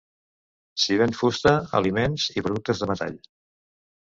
S'hi ven fusta, aliments i productes de metall.